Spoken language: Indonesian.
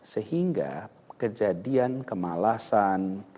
sehingga kejadian kemalasan